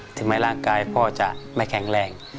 ถึงแม้ร่างกายพ่อจะไม่แข็งแรง